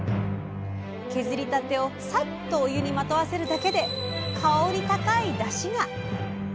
削りたてをサッとお湯にまとわせるだけで香り高いだしが！